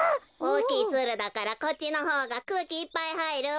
おおきいツルだからこっちのほうがくうきいっぱいはいるわべ。